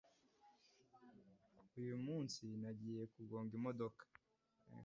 Uyu munsi, nagiye kugonga imodoka